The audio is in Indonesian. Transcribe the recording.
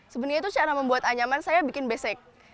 sebenarnya itu cara membuat anyaman saya bikin besek